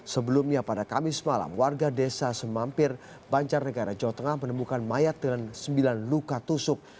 sebelumnya pada kamis malam warga desa semampir banjarnegara jawa tengah menemukan mayat dengan sembilan luka tusuk